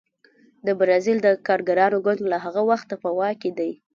د بزازیل د کارګرانو ګوند له هغه وخته په واک کې دی.